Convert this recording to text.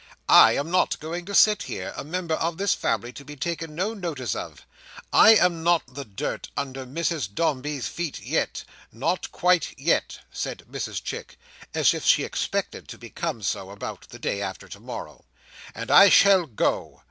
I am not going to sit here, a member of this family, to be taken no notice of. I am not the dirt under Mrs Dombey's feet, yet—not quite yet," said Mrs Chick, as if she expected to become so, about the day after to morrow. "And I shall go.